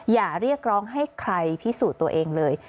อย่าเรียกร้องให้ใครพิสูจน์ตัวเองเลย